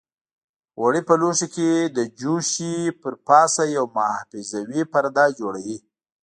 غوړي په لوښي کې د جوشې پر پاسه یو محافظوي پرده جوړوي.